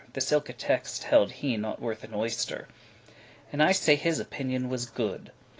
This ilke text held he not worth an oyster; And I say his opinion was good.